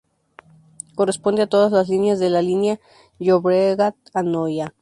Corresponde a todas las líneas de la línea Llobregat-Anoia.